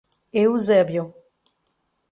Eusébio